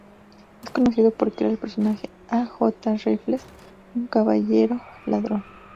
Es conocido por crear al personaje A. J. Raffles, un caballero ladrón.